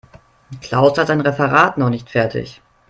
Klaus hat sein Referat noch nicht fertig.